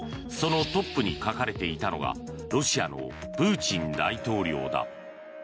そのトップに書かれていたのがロシアのプーチン大統領だ。